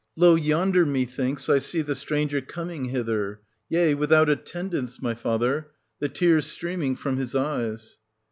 Lo, yonder, methinks, I see the stranger coming hither, — yea, without attendants, my father, — 1250 the tears streaming from his eyes.